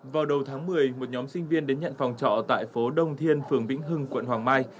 vào đầu tháng một mươi một nhóm sinh viên đến nhận phòng trọ tại phố đông thiên phường vĩnh hưng quận hoàng mai